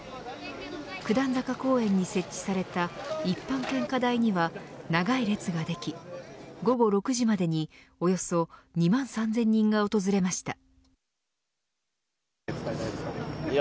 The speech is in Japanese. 九段坂公園に設置された一般献花台には長い列ができ午後６時までにおよそ２万３０００人が訪れました。